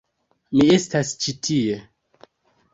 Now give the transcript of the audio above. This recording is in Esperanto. Mi estas ĉi tie.